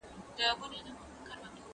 ښوونکی د ماشوم سره په مهربانۍ چلند کوي.